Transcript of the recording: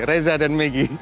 reza dan megi